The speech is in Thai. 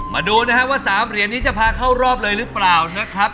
มาดูนะครับว่า๓เหรียญนี้จะพาเข้ารอบเลยหรือเปล่านะครับ